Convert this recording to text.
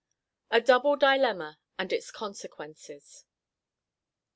A DOUBLE DILEMMA AND ITS CONSEQUENCES.